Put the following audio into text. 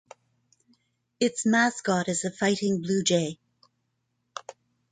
Its mascot is the Fighting Bluejay.